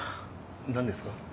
何ですか？